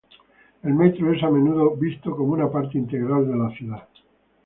El metro es a menudo visto como una parte integral de la ciudad.